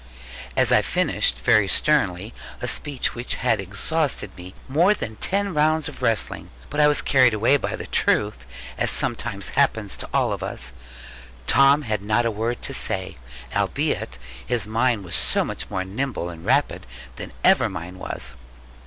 As I finished very sternly a speech which had exhausted me more than ten rounds of wrestling but I was carried away by the truth, as sometimes happens to all of us Tom had not a word to say; albeit his mind was so much more nimble and rapid than ever mine was.